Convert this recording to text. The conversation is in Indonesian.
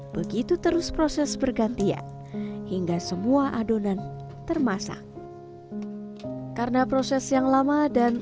begitu terus proses bergantian hingga semua adonan termasak karena proses yang lama dan